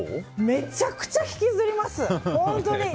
めちゃくちゃ引きずります！